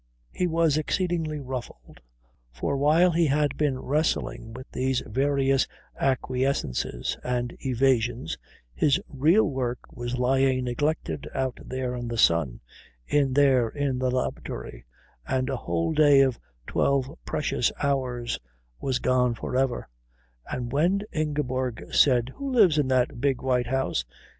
He was exceedingly ruffled; for while he had been wrestling with these various acquiescences and evasions his real work was lying neglected out there in the sun, in there in the laboratory, and a whole day of twelve precious hours was gone for ever; and when Ingeborg said, "Who lives in that big white house?"